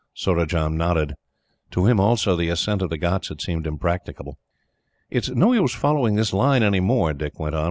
Surajah nodded. To him, also, the ascent of the ghauts had seemed impracticable. "It is no use following this line any more," Dick went on.